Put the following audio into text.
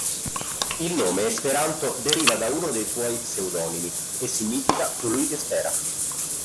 Il nome "esperanto" deriva da uno dei suoi pseudonimi e significa "colui che spera".